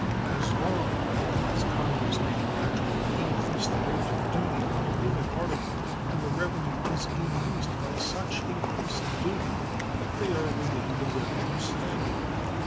As long, then, as Congress may gradually increase the rate of duty on a given article, and the revenue is increased by such increase of duty, they are within the revenue standard.